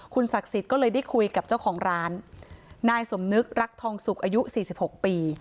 ศักดิ์สิทธิ์ก็เลยได้คุยกับเจ้าของร้านนายสมนึกรักทองสุกอายุ๔๖ปี